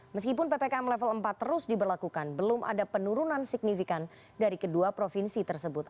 meskipun ppkm level empat terus diberlakukan belum ada penurunan signifikan dari kedua provinsi tersebut